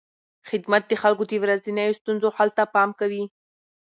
خدمت د خلکو د ورځنیو ستونزو حل ته پام کوي.